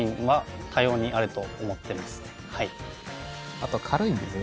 あと軽いんですよね。